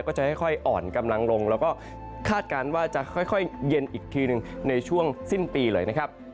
ก็จะค่อยอ่อนกำลังลงแล้วก็คาดการณ์ว่าจะค่อยเย็นอีกทีหนึ่งในช่วงสิ้นปีเลยนะครับ